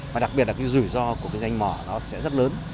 và đặc biệt là cái rủi ro của cái danh mỏ nó sẽ rất lớn